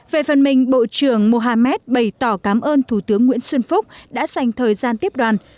về phần mình bộ trưởng mohamed bày tỏ cảm ơn thủ tướng nguyễn xuân phúc đã dành thời gian tiếp đoàn